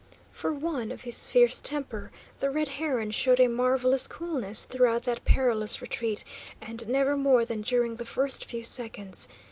For one of his fierce temper the Red Heron showed a marvellous coolness throughout that perilous retreat, and never more than during the first few seconds.